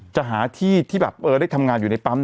จะหาที่ที่แบบได้ทำงานอยู่ในปั๊ม